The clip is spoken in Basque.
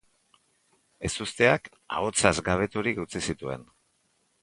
Ezusteak ahotsaz gabeturik utzi zituen.